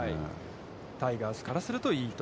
タイガースからすると、いいと。